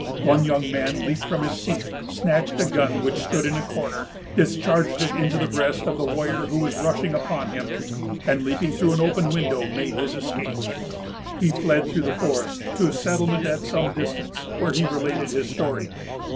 One young man leaped from his seat, snatched a gun which stood in a corner, discharged it into the breast of the warrior who was rushing upon him, and, leaping through an open window, made his escape. He fled through the forest to a settlement at some distance, where he related his story.